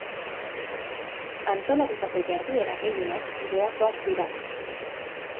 Antolatutako jarduera gehienak doakoa dira.